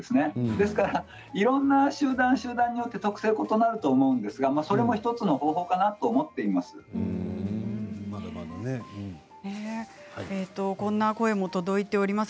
ですから、いろんな集団集団によって特性が異なると思うんですがそれもこんな声も届いています。